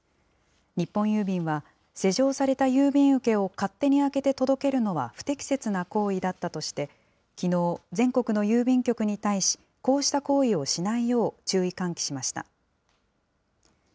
日本郵便は、施錠された郵便受けを勝手に開けて届けるのは不適切な行為だったとして、きのう、全国の郵便局に対し、こうした行為をしないよう注意喚起しました。